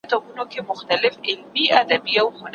د حملې په جریان کې فکرونه تېز کېږي.